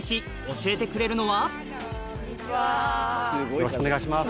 よろしくお願いします。